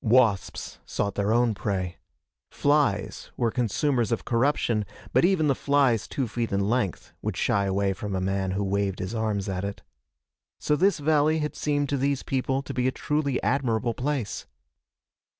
Wasps sought their own prey. Flies were consumers of corruption, but even the flies two feet in length would shy away from a man who waved his arms at it. So this valley had seemed to these people to be a truly admirable place.